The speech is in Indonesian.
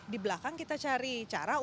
di belakang kita cari cara